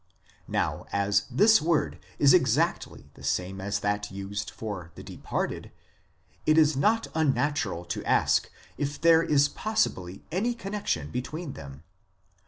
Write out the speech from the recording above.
Now as this word is exactly the same as that used for the departed, it is not unnatural to ask if there is possibly any connexion between them.